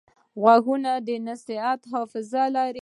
غوږونه د نصیحتونو حافظه لري